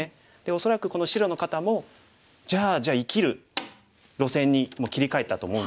恐らくこの白の方もじゃあ生きる路線に切り替えたと思うんですけれども。